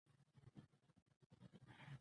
د ونو پاڼې د لمر له وړانګو څخه انرژي ترلاسه کوي.